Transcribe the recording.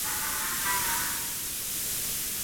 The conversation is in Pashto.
کورني مسؤلیتونه د پلار د ورځني کار یوه برخه ده.